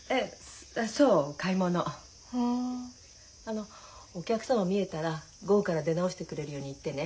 あのお客様見えたら午後から出直してくれるように言ってね。